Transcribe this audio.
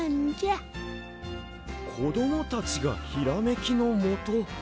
こどもたちがひらめきのもと。